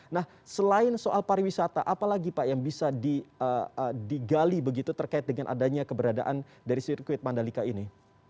nah selain soal pariwisata apalagi pak yang bisa digali begitu terkait dengan adanya keberadaan dari sirkuit mandalika ini